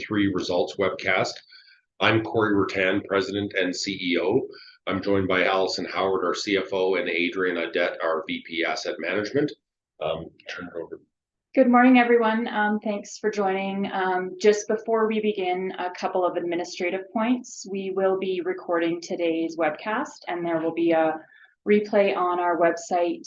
Q3 results webcast. I'm Corey Ruttan, President and CEO. I'm joined by Alison Howard, our CFO, and Adrian Audet, our VP, Asset Management. Turn it over. Good morning, everyone. Thanks for joining. Just before we begin, a couple of administrative points. We will be recording today's webcast, and there will be a replay on our website,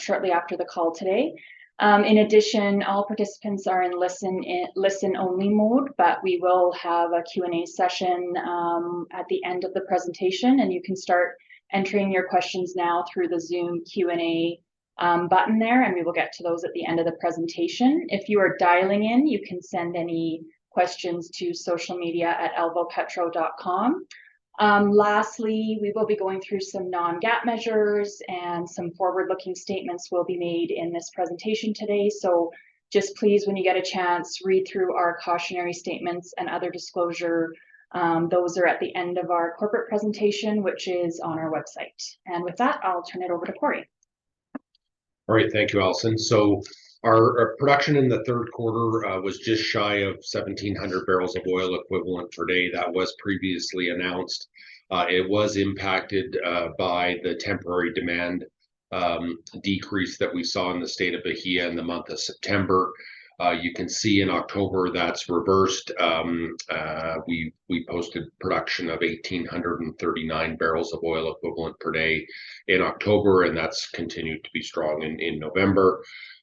shortly after the call today. In addition, all participants are in listen-only mode, but we will have a Q&A session, at the end of the presentation, and you can start entering your questions now through the Zoom Q&A, button there, and we will get to those at the end of the presentation. If you are dialing in, you can send any questions to socialmedia@alvopetro.com. Lastly, we will be going through some Non-GAAP measures, and some forward-looking statements will be made in this presentation today. So just please, when you get a chance, read through our cautionary statements and other disclosure. Those are at the end of our corporate presentation, which is on our website. With that, I'll turn it over to Corey. All right, thank you, Alison. So our production in the third quarter was just shy of 1,700 barrels of oil equivalent per day. That was previously announced. It was impacted by the temporary demand decrease that we saw in the state of Bahia in the month of September. You can see in October that's reversed. We posted production of 1,839 barrels of oil equivalent per day in October, and that's continued to be strong in November.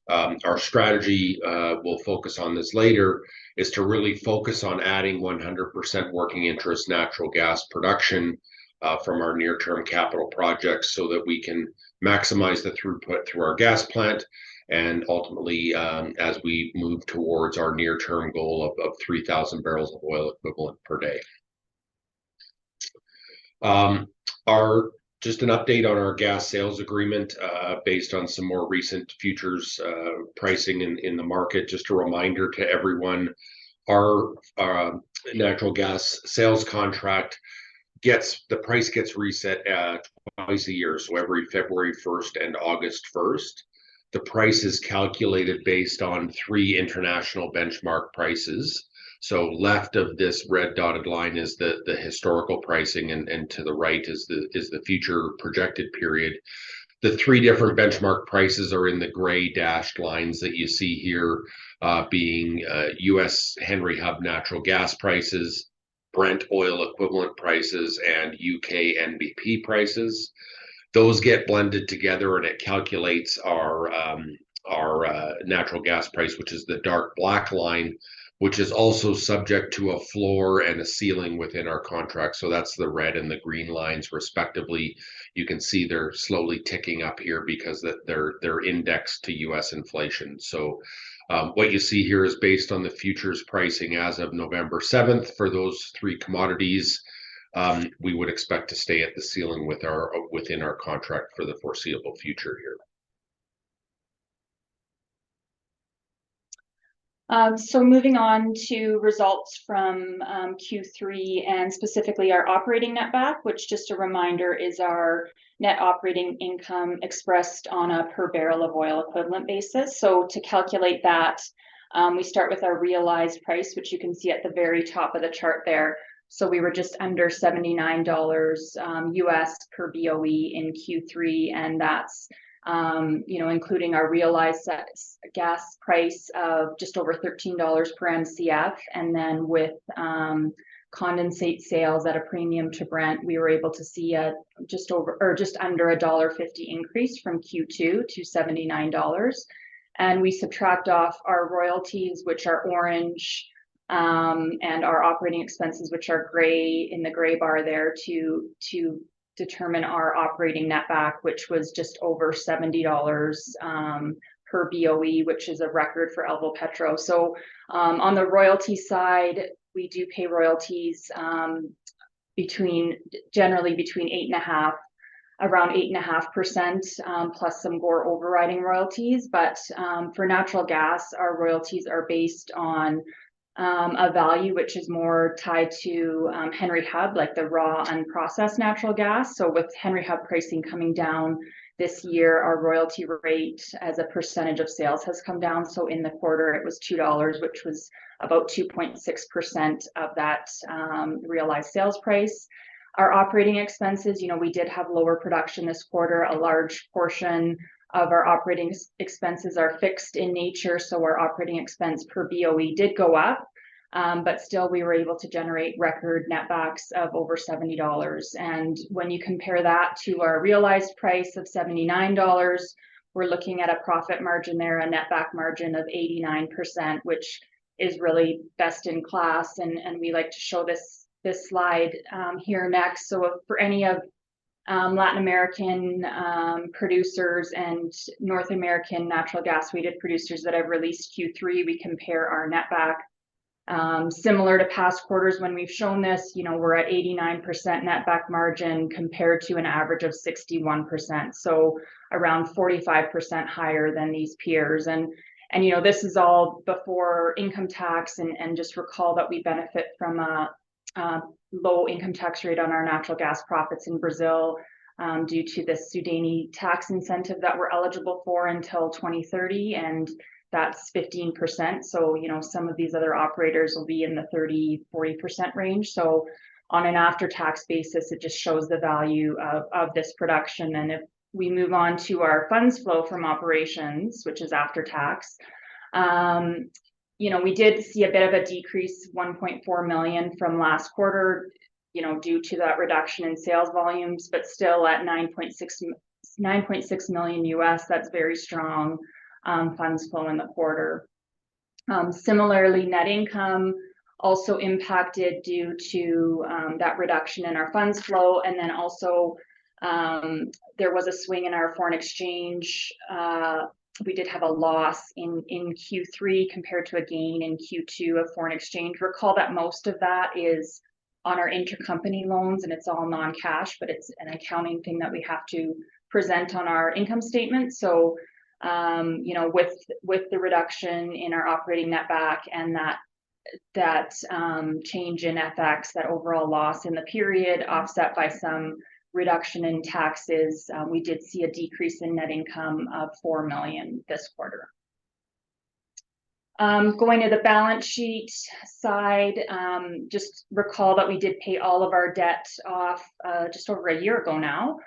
Our strategy, we'll focus on this later, is to really focus on adding 100% working interest natural gas production from our near-term capital projects so that we can maximize the throughput through our gas plant and ultimately, as we move towards our near term goal of 3,000 barrels of oil equivalent per day. Just an update on our gas sales agreement, based on some more recent futures pricing in the market. Just a reminder to everyone, our natural gas sales contract gets, the price gets reset twice a year, so every February 1st and August 1st. The price is calculated based on three international benchmark prices. So left of this red dotted line is the historical pricing and to the right is the future projected period. The three different benchmark prices are in the gray dashed lines that you see here, being U.S. Henry Hub natural gas prices, Brent oil equivalent prices, and U.K. NBP prices. Those get blended together, and it calculates our natural gas price, which is the dark black line, which is also subject to a floor and a ceiling within our contract. So that's the red and the green lines, respectively. You can see they're slowly ticking up here because they're indexed to U.S. inflation. So, what you see here is based on the futures pricing as of November 7th. For those three commodities, we would expect to stay at the ceiling within our contract for the foreseeable future here. So moving on to results from Q3, and specifically, our operating netback, which, just a reminder, is our net operating income expressed on a per barrel of oil equivalent basis. So to calculate that, we start with our realized price, which you can see at the very top of the chart there. So we were just under $79 US per BOE in Q3, and that's, you know, including our realized gas price of just over $13 per Mcf. And then, with condensate sales at a premium to Brent, we were able to see a just over or just under $1.50 increase from Q2 to $79. We subtract off our royalties, which are orange, and our operating expenses, which are gray, in the gray bar there, to determine our operating netback, which was just over $70 per BOE, which is a record for Alvopetro. So, on the royalty side, we do pay royalties, generally between 8.5, around 8.5% plus some or overriding royalties. But, for natural gas, our royalties are based on a value which is more tied to Henry Hub, like the raw, unprocessed natural gas. So with Henry Hub pricing coming down this year, our royalty rate as a percentage of sales has come down, so in the quarter it was $2, which was about 2.6% of that realized sales price. Our operating expenses, you know, we did have lower production this quarter. A large portion of our operating expenses are fixed in nature, so our operating expense per BOE did go up. But still, we were able to generate record netbacks of over $70. And when you compare that to our realized price of $79, we're looking at a profit margin there, a netback margin of 89%, which is really best-in-class, and we like to show this slide here next. So for any of Latin American producers and North American natural gas-weighted producers that have released Q3, we compare our netback. Similar to past quarters, when we've shown this, you know, we're at 89% netback margin, compared to an average of 61%, so around 45% higher than these peers. You know, this is all before income tax, and just recall that we benefit from low income tax rate on our natural gas profits in Brazil, due to the SUDENE tax incentive that we're eligible for until 2030, and that's 15%. So, you know, some of these other operators will be in the 30%-40% range. So on an after-tax basis, it just shows the value of this production. And if we move on to our funds flow from operations, which is after tax, you know, we did see a bit of a decrease, $1.4 million, from last quarter, you know, due to that reduction in sales volumes, but still, at $9.6 million, that's very strong funds flow in the quarter. Similarly, net income also impacted due to that reduction in our funds flow, and then also there was a swing in our foreign exchange. We did have a loss in Q3 compared to a gain in Q2 of foreign exchange. Recall that most of that is on our intercompany loans, and it's all non-cash, but it's an accounting thing that we have to present on our income statement. So, you know, with the reduction in our operating netback and that change in FX, that overall loss in the period, offset by some reduction in taxes, we did see a decrease in net income of $4 million this quarter. Going to the balance sheet side, just recall that we did pay all of our debt off just over a year ago now.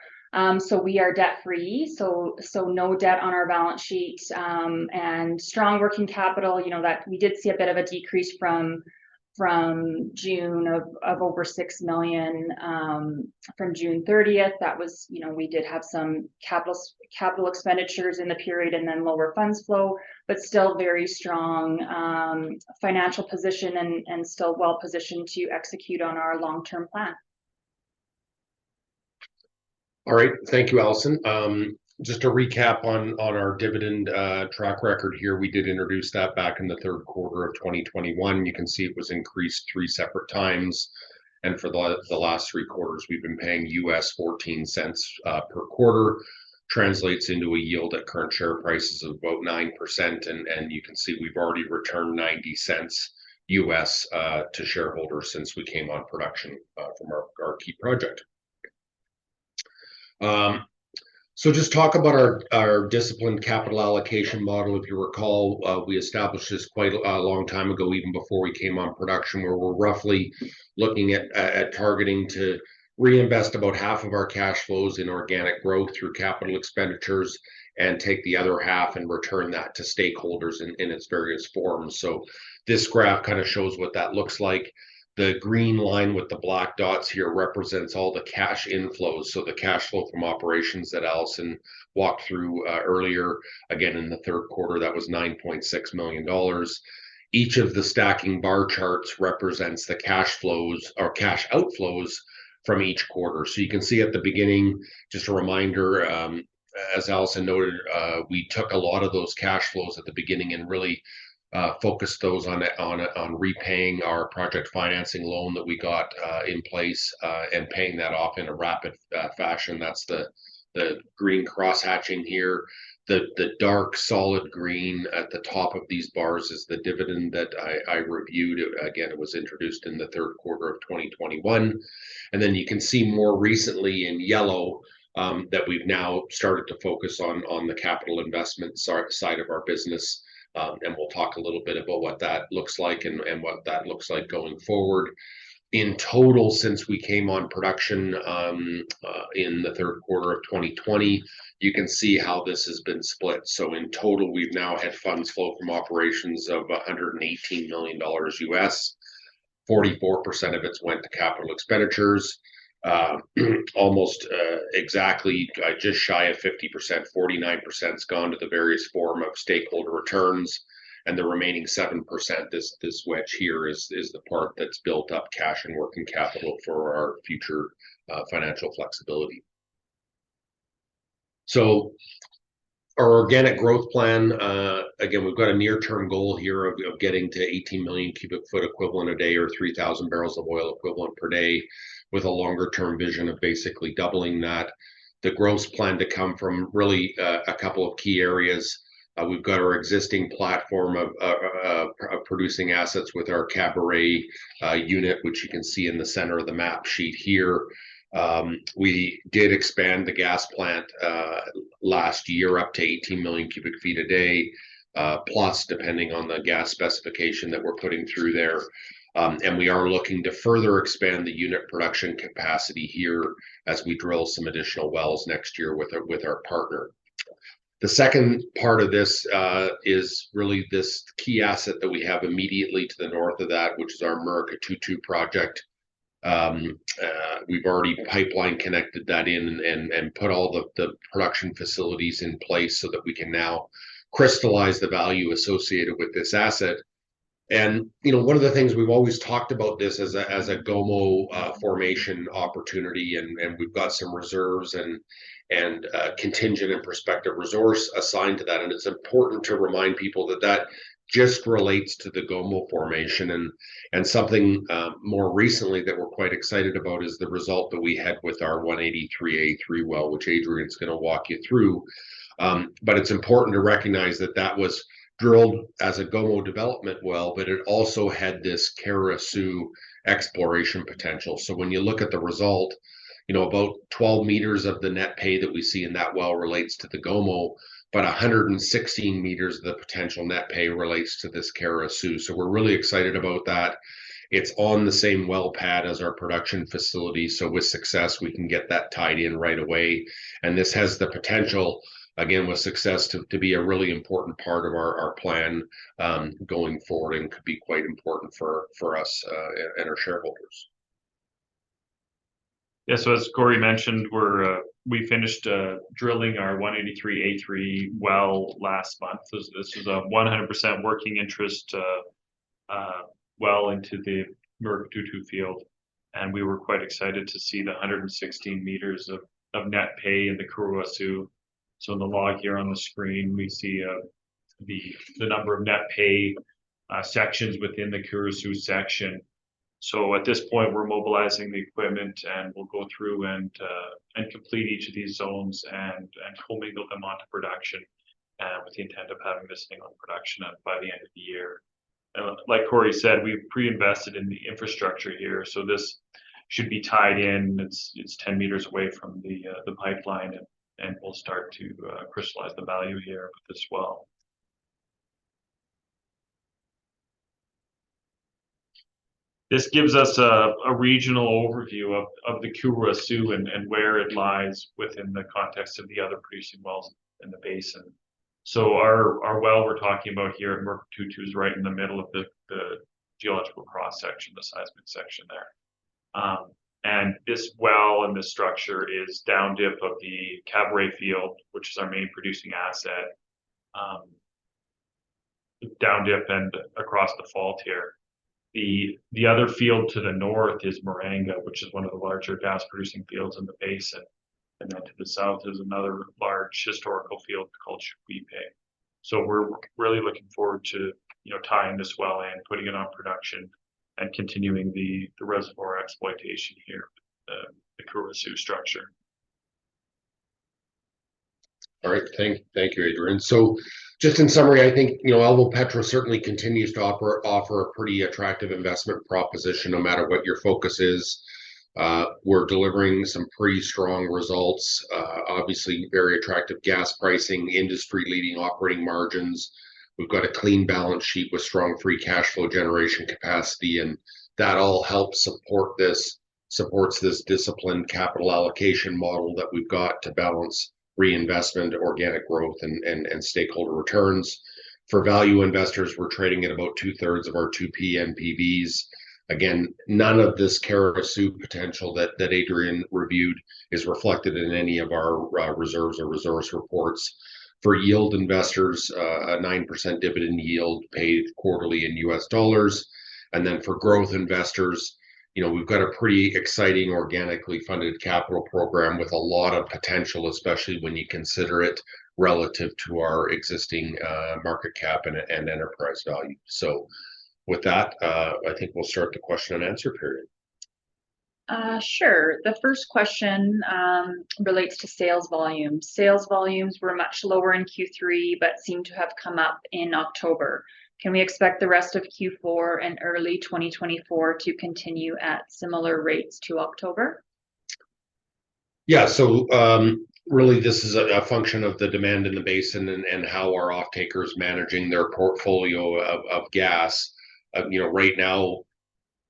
So we are debt free, so no debt on our balance sheet, and strong working capital. You know, that we did see a bit of a decrease from over $6 million from June thirtieth. That was... You know, we did have some capital expenditures in the period and then lower funds flow, but still very strong financial position and still well-positioned to execute on our long-term plan. All right. Thank you, Alison. Just to recap on our dividend track record here, we did introduce that back in the third quarter of 2021. You can see it was increased three separate times, and for the last three quarters, we've been paying $0.14 per quarter. Translates into a yield at current share prices of about 9%, and you can see we've already returned $0.90 to shareholders since we came on production from our key project. So just talk about our disciplined capital allocation model. If you recall, we established this quite a long time ago, even before we came on production, where we're roughly looking at, at targeting to reinvest about half of our cash flows in organic growth through capital expenditures, and take the other half and return that to stakeholders in, in its various forms. So this graph kind of shows what that looks like. The green line with the black dots here represents all the cash inflows, so the cash flow from operations that Alison walked through, earlier. Again, in the third quarter, that was $9.6 million. Each of the stacking bar charts represents the cash flows or cash outflows from each quarter. So you can see at the beginning, just a reminder, as Alison noted, we took a lot of those cash flows at the beginning and really focused those on repaying our project financing loan that we got in place and paying that off in a rapid fashion. That's the green cross hatching here. The dark, solid green at the top of these bars is the dividend that I reviewed. Again, it was introduced in the third quarter of 2021. And then, you can see more recently in yellow that we've now started to focus on the capital investment side of our business, and we'll talk a little bit about what that looks like and what that looks like going forward. In total, since we came on production, in the third quarter of 2020, you can see how this has been split. So in total, we've now had funds flow from operations of $118 million. 44% of it's went to capital expenditures. Almost, exactly, just shy of 50%, 49%'s gone to the various form of stakeholder returns, and the remaining 7%, this wedge here, is the part that's built up cash and working capital for our future, financial flexibility. So our organic growth plan, again, we've got a near-term goal here of getting to 18 million cubic feet equivalent a day, or 3,000 barrels of oil equivalent per day, with a longer-term vision of basically doubling that. The growth plan to come from really, a couple of key areas. We've got our existing platform of producing assets with our Caburé unit, which you can see in the center of the map sheet here. We did expand the gas plant last year up to 18 million cubic feet a day, plus, depending on the gas specification that we're putting through there. We are looking to further expand the unit production capacity here as we drill some additional wells next year with our partner. The second part of this is really this key asset that we have immediately to the north of that, which is our Murucututu project. We've already pipeline connected that in and put all the production facilities in place so that we can now crystallize the value associated with this asset. and, you know, one of the things we've always talked about this as a, as a Gomo formation opportunity, and, and we've got some reserves and, and contingent and prospective resource assigned to that. And it's important to remind people that that just relates to the Gomo formation. And, and something more recently that we're quite excited about is the result that we had with our 183-A3 well, which Adrian's gonna walk you through. But it's important to recognize that that was drilled as a Gomo development well, but it also had this Caruaçu exploration potential. So when you look at the result, you know, about 12 meters of the net pay that we see in that well relates to the Gomo, but 116 meters of the potential net pay relates to this Caruaçu. So we're really excited about that. It's on the same well pad as our production facility, so with success, we can get that tied in right away. This has the potential, again, with success, to be a really important part of our plan going forward, and could be quite important for us and our shareholders. Yeah. So as Corey mentioned, we finished drilling our 183-A3 well last month. So this is a 100% working interest well into the Murucututu field, and we were quite excited to see the 116 meters of net pay in the Caruaçu. So in the log here on the screen, we see the number of net pay sections within the Caruaçu section. So at this point, we're mobilizing the equipment, and we'll go through and complete each of these zones and co-mingle them onto production with the intent of having this thing on production by the end of the year. And like Corey said, we've pre-invested in the infrastructure here, so this should be tied in. It's 10 meters away from the pipeline, and we'll start to crystallize the value here with this well. This gives us a regional overview of the Caruaçu and where it lies within the context of the other producing wells in the basin. So our well we're talking about here at Murucututu is right in the middle of the geological cross-section, the seismic section there. And this well, and this structure is down dip of the Caburé Field, which is our main producing asset, down dip and across the fault here. The other field to the north is Maracanã, which is one of the larger gas-producing fields in the basin, and then to the South is another large historical field called Taquipe. So we're really looking forward to, you know, tying this well in, putting it on production, and continuing the reservoir exploitation here, the Caruaçu structure. All right. Thank you, Adrian. So just in summary, I think, you know, Alvopetro certainly continues to offer a pretty attractive investment proposition, no matter what your focus is. We're delivering some pretty strong results. Obviously, very attractive gas pricing, industry-leading operating margins. We've got a clean balance sheet with strong free cash flow generation capacity, and that all helps support this supports this disciplined capital allocation model that we've got to balance reinvestment, organic growth, and stakeholder returns. For value investors, we're trading at about two-thirds of our 2P NPVs. Again, none of this Caruaçu potential that Adrian reviewed is reflected in any of our reserves or resource reports. For yield investors, a 9% dividend yield paid quarterly in U.S. dollars. And then for growth investors, you know, we've got a pretty exciting, organically funded capital program with a lot of potential, especially when you consider it relative to our existing market cap and enterprise value. So with that, I think we'll start the question and answer period. Sure. The first question relates to sales volume. Sales volumes were much lower in Q3, but seem to have come up in October. Can we expect the rest of Q4 and early 2024 to continue at similar rates to October? Yeah. So, really, this is a function of the demand in the basin and how our offtaker is managing their portfolio of gas. You know, right now,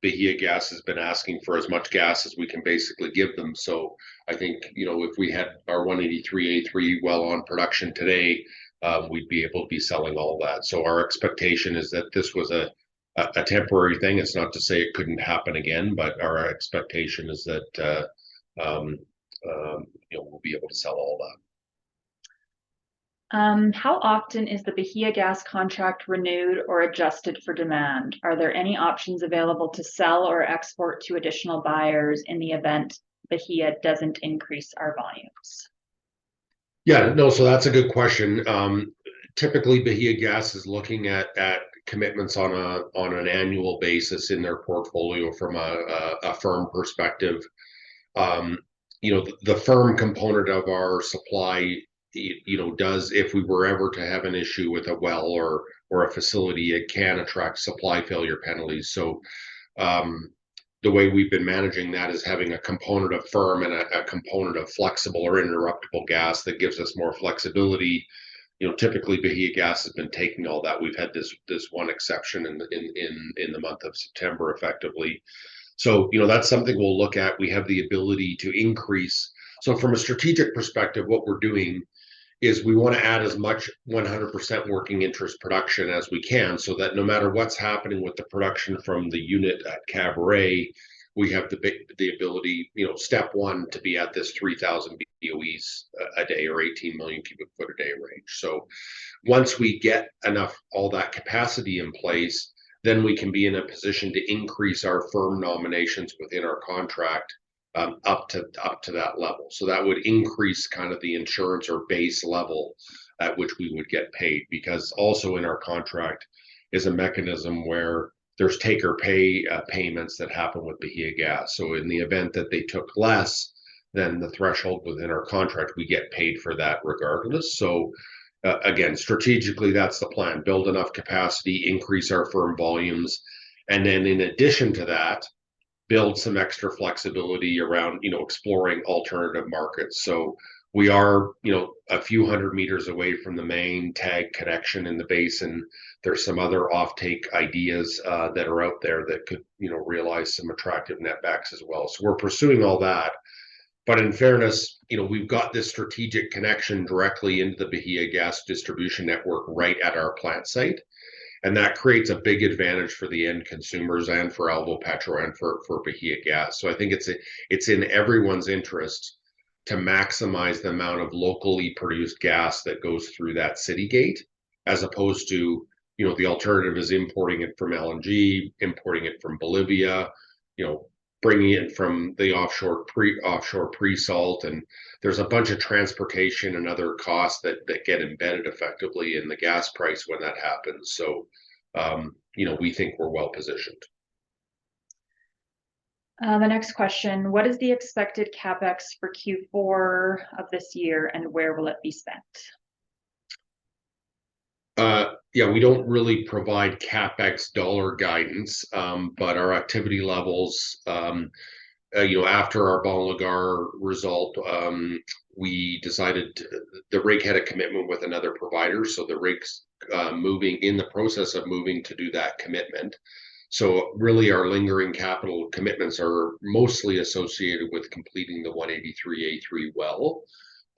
Bahiagás has been asking for as much gas as we can basically give them. So I think, you know, if we had our 183-A3 well on production today, we'd be able to be selling all that. So our expectation is that this was a temporary thing. It's not to say it couldn't happen again, but our expectation is that, you know, we'll be able to sell all that. How often is the Bahiagás contract renewed or adjusted for demand? Are there any options available to sell or export to additional buyers in the event Bahia doesn't increase our volumes? Yeah, no, so that's a good question. Typically, Bahiagás is looking at commitments on an annual basis in their portfolio from a firm perspective. You know, the firm component of our supply, you know, does... If we were ever to have an issue with a well or a facility, it can attract supply failure penalties. So, the way we've been managing that is having a component of firm and a component of flexible or interruptible gas that gives us more flexibility. You know, typically, Bahiagás has been taking all that. We've had this one exception in the month of September, effectively. So, you know, that's something we'll look at. We have the ability to increase. So from a strategic perspective, what we're doing is we want to add as much 100% working interest production as we can, so that no matter what's happening with the production from the unit at Caburé, we have the ability, you know, step one, to be at this 3,000 BOEs a day, or 18 million cubic feet a day rate. So once we get enough, all that capacity in place, then we can be in a position to increase our firm nominations within our contract, up to, up to that level. So that would increase kind of the insurance or base level at which we would get paid, because also in our contract is a mechanism where there's take-or-pay payments that happen with Bahiagás. So in the event that they took less than the threshold within our contract, we get paid for that regardless. So, again, strategically, that's the plan: build enough capacity, increase our firm volumes, and then in addition to that, build some extra flexibility around, you know, exploring alternative markets. So we are, you know, a few hundred meters away from the main TAG connection in the basin. There's some other offtake ideas that are out there that could, you know, realize some attractive netbacks as well. So we're pursuing all that, but in fairness, you know, we've got this strategic connection directly into the Bahiagás distribution network right at our plant site, and that creates a big advantage for the end consumers and for Alvopetro and for, for Bahiagás. So I think it's in everyone's interest to maximize the amount of locally produced gas that goes through that city gate, as opposed to, you know, the alternative is importing it from LNG, importing it from Bolivia, you know, bringing it from the offshore pre-salt. And there's a bunch of transportation and other costs that get embedded effectively in the gas price when that happens. So, you know, we think we're well-positioned. The next question: What is the expected CapEx for Q4 of this year, and where will it be spent? Yeah, we don't really provide CapEx dollar guidance. But our activity levels, you know, after our Balangar result, we decided. The rig had a commitment with another provider, so the rig's moving, in the process of moving to do that commitment. So really, our lingering capital commitments are mostly associated with completing the 183-A3 well.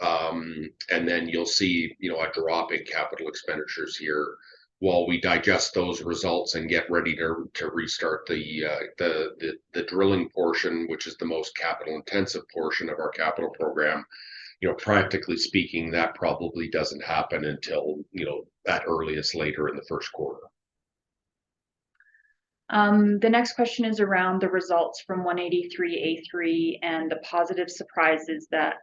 And then you'll see, you know, a drop in capital expenditures here while we digest those results and get ready to restart the drilling portion, which is the most capital-intensive portion of our capital program. You know, practically speaking, that probably doesn't happen until, you know, at earliest, later in the first quarter. The next question is around the results from 183-A3 and the positive surprises that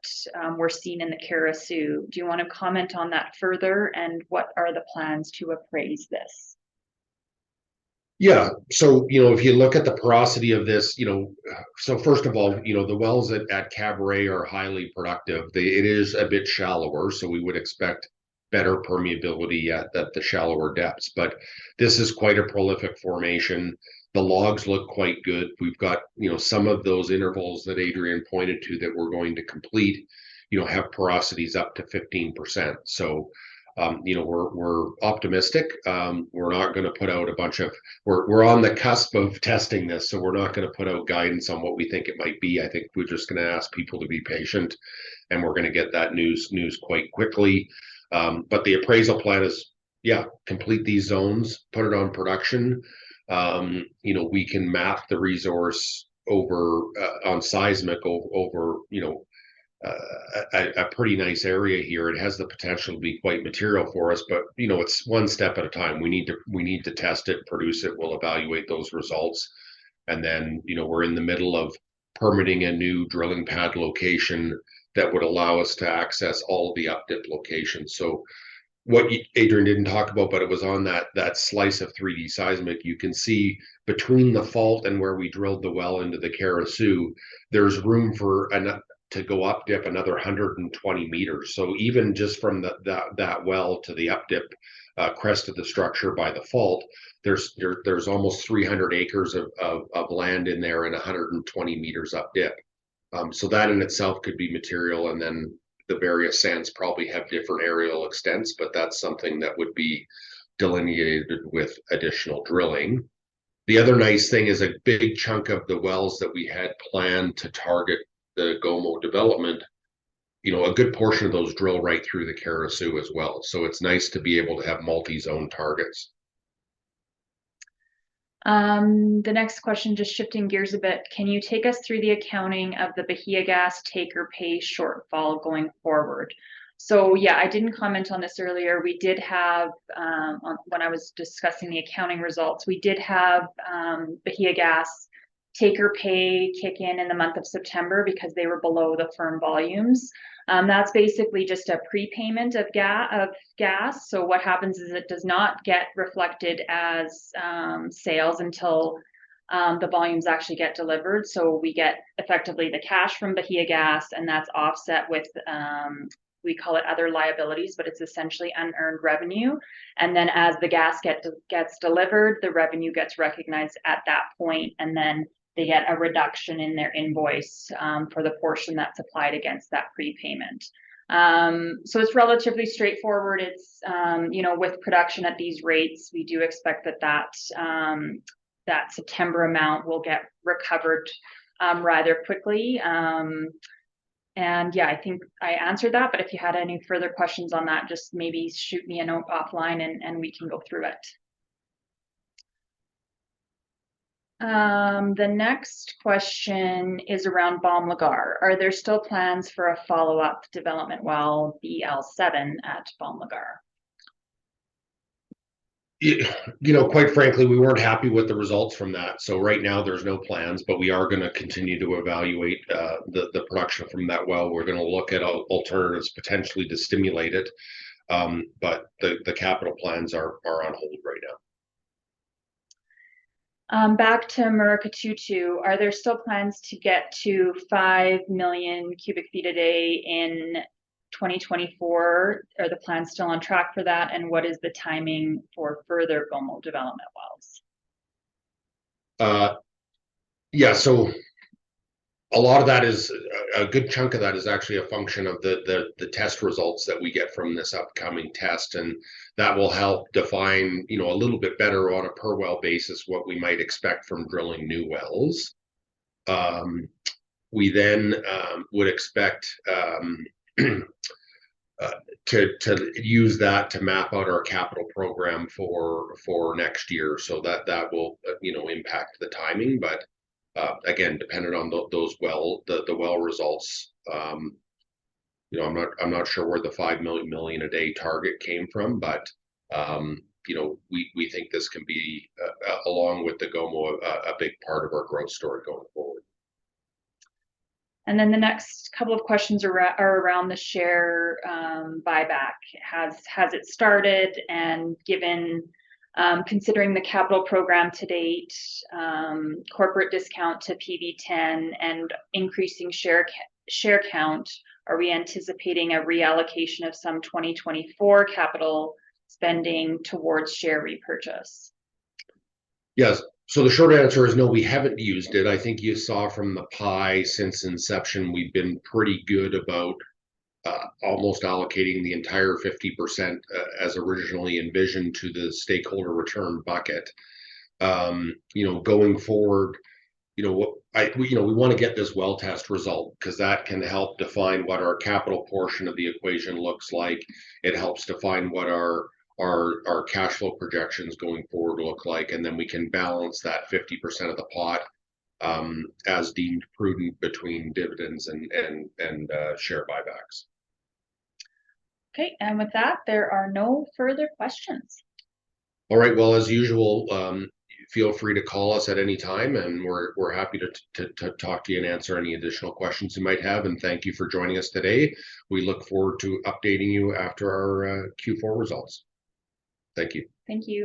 were seen in the Caruaçu. Do you wanna comment on that further, and what are the plans to appraise this? Yeah. So, you know, if you look at the porosity of this, you know. So first of all, you know, the wells at Caburé are highly productive. It is a bit shallower, so we would expect better permeability at the shallower depths. But this is quite a prolific formation. The logs look quite good. We've got, you know, some of those intervals that Adrian pointed to that we're going to complete, you know, have porosities up to 15%. So, you know, we're optimistic. We're not gonna put out a bunch of... We're on the cusp of testing this, so we're not gonna put out guidance on what we think it might be. I think we're just gonna ask people to be patient, and we're gonna get that news quite quickly. But the appraisal plan is, yeah, complete these zones, put it on production. You know, we can map the resource over on seismic, over you know, a pretty nice area here. It has the potential to be quite material for us, but you know, it's one step at a time. We need to test it, produce it. We'll evaluate those results, and then you know, we're in the middle of permitting a new drilling pad location that would allow us to access all the up-dip locations. So what Adrian didn't talk about, but it was on that slice of 3D seismic, you can see between the fault and where we drilled the well into the Caruaçu, there's room to go up-dip another 120 meters. So even just from that well to the up-dip crest of the structure by the fault, there's almost 300 acres of land in there and 120 meters up dip. So that in itself could be material, and then the various sands probably have different aerial extents, but that's something that would be delineated with additional drilling. The other nice thing is a big chunk of the wells that we had planned to target the Gomo development, you know, a good portion of those drill right through the Caruaçu as well, so it's nice to be able to have multi-zone targets. The next question, just shifting gears a bit: Can you take us through the accounting of the Bahiagás take-or-pay shortfall going forward? So yeah, I didn't comment on this earlier. We did have, when I was discussing the accounting results, we did have, Bahiagás take-or-pay kick in in the month of September because they were below the firm volumes. That's basically just a prepayment of gas, so what happens is it does not get reflected as sales until the volumes actually get delivered. So we get effectively the cash from Bahiagás, and that's offset with, we call it other liabilities, but it's essentially unearned revenue, and then as the gas gets delivered, the revenue gets recognized at that point, and then they get a reduction in their invoice, for the portion that's applied against that prepayment. So it's relatively straightforward. It's, you know, with production at these rates, we do expect that that, that September amount will get recovered, rather quickly. And yeah, I think I answered that, but if you had any further questions on that, just maybe shoot me a note offline, and we can go through it. The next question is around Bom Lugar. Are there still plans for a follow-up development well BL-7 at Bom Lugar? You know, quite frankly, we weren't happy with the results from that, so right now there's no plans, but we are gonna continue to evaluate the production from that well. We're gonna look at alternatives, potentially, to stimulate it, but the capital plans are on hold right now. Back to Murucututu, are there still plans to get to 5 million cubic feet a day in 2024? Are the plans still on track for that, and what is the timing for further Gomo development wells? Yeah, so a lot of that is a good chunk of that is actually a function of the test results that we get from this upcoming test, and that will help define, you know, a little bit better on a per-well basis what we might expect from drilling new wells. We then would expect to use that to map out our capital program for next year. So that will, you know, impact the timing. But again, dependent on those well results. You know, I'm not sure where the 5 million million a day target came from, but you know, we think this can be along with the Gomo, a big part of our growth story going forward. And then the next couple of questions are around the share buyback. Has it started? And given considering the capital program to date, corporate discount to PV-10 and increasing share count, are we anticipating a reallocation of some 2024 capital spending towards share repurchase? Yes. So the short answer is no, we haven't used it. I think you saw from the pie, since inception, we've been pretty good about almost allocating the entire 50%, as originally envisioned, to the stakeholder return bucket. You know, going forward, you know, we wanna get this well test result, 'cause that can help define what our capital portion of the equation looks like. It helps define what our cash flow projections going forward look like, and then we can balance that 50% of the pot, as deemed prudent between dividends and share buybacks. Okay, and with that, there are no further questions. All right, well, as usual, feel free to call us at any time, and we're happy to talk to you and answer any additional questions you might have, and thank you for joining us today. We look forward to updating you after our Q4 results. Thank you. Thank you.